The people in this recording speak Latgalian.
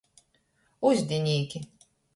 Uzdinīki.